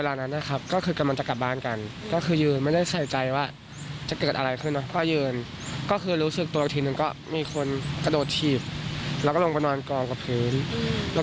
เราไปเที่ยวก็คือวันหยุดแล้วเนอะ